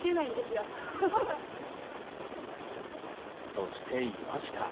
そして、いました。